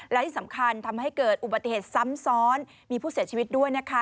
และที่สำคัญทำให้เกิดอุบัติเหตุซ้ำซ้อนมีผู้เสียชีวิตด้วยนะคะ